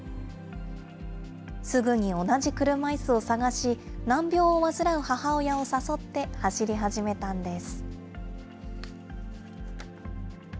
すぐに同じ車いすを探し、難病を患う母親を誘って、走り始めたんです。